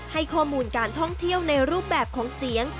ให้ข้อมูลการท่องเที่ยวในรูปแบบของเสียง